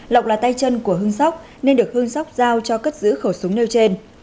lộc là tay chân của hương sóc nên được hương sóc giao cho cất giữ khẩu súng nêu trên